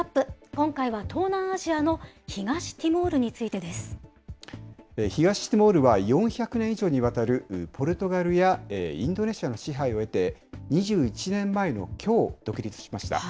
今回は東南アジアの東ティモールについてです。東ティモールは、４００年以上にわたるポルトガルやインドネシアの支配を経て、２１年前のきょう、独立しました。